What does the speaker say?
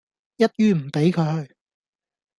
一於唔畀佢去